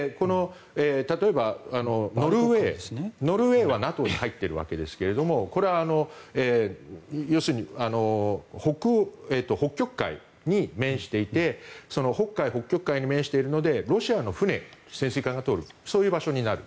例えばノルウェーはＮＡＴＯに入っているわけですがこれは北極海に面していて北極海に面しているのでロシアの船、潜水艦が通るそういう場所になる。